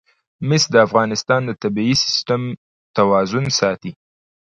مس د افغانستان د طبعي سیسټم توازن ساتي.